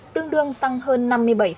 tương đương tăng hơn năm mươi bảy